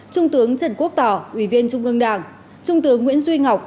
trung tướng trần quốc tỏ ủy viên trung ương đảng trung tướng nguyễn duy ngọc